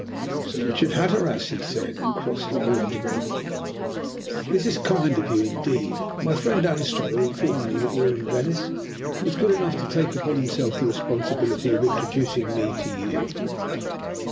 "Sir Richard Hatteras," he said, as he crossed the room to greet me, "this is kind of you indeed. My friend, Anstruther, informed me that you were in Venice, and was good enough to take upon himself the responsibility of introducing me to you."